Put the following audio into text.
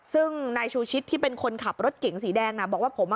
ซึ่งนายชูชิตที่เป็นคนขับรถเก่งสีแดงน่ะบอกว่าผมอ่ะ